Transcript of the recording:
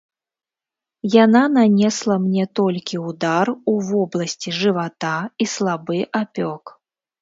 Яна нанесла мне толькі ўдар ў вобласці жывата і слабы апёк.